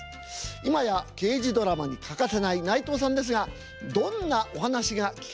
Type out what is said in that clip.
今や刑事ドラマに欠かせない内藤さんですがどんなお話が聞けるんでしょうか。